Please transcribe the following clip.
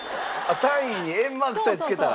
単位に円マークさえ付けたら。